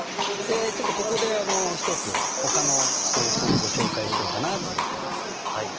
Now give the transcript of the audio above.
ちょっとここで一つほかの方法をご紹介しようかなと思ってます。